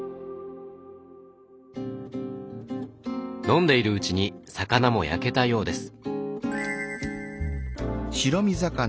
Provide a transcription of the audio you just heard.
飲んでいるうちに魚も焼けたようです。